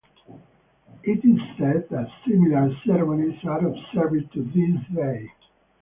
It is said that similar ceremonies are observed to this day.